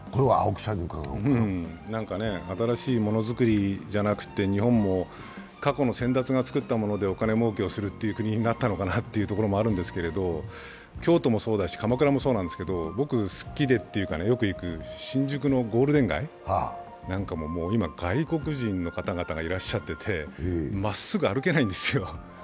なんか新しいモノ作りじゃなくて過去の先達が作ったものでお金もうけをするという国になったのかなというところがあるんですけれども、京都もそうだし鎌倉もそうだし僕、好きでよく行く新宿のゴールデン街なんかも今、外国人の方々がいらっしゃってて、まっすぐ歩けないんですよ。